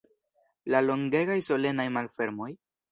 La longegaj solenaj malfermoj?